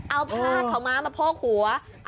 เอาผ้าขาวม้ามาโพกหัว